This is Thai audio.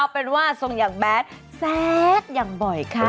เป็นว่าทรงอย่างแบดแซดอย่างบ่อยค่ะ